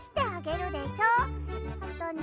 あとね